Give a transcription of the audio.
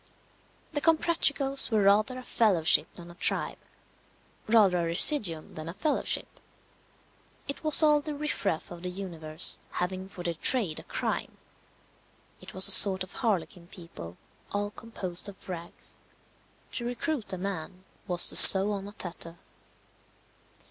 The Comprachicos were rather a fellowship than a tribe; rather a residuum than a fellowship. It was all the riffraff of the universe, having for their trade a crime. It was a sort of harlequin people, all composed of rags. To recruit a man was to sew on a tatter.